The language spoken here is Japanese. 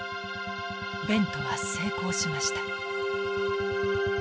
ベントは成功しました。